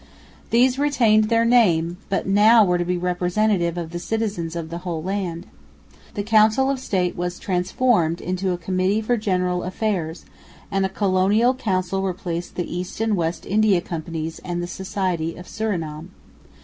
These retained their name, but were now to be representative of the citizens of the whole land. The Council of State was transformed into a Committee for General Affairs; and a Colonial Council replaced the East and West India Companies and the Society of Surinam.